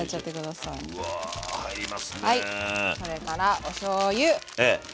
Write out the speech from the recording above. はいそれからおしょうゆ。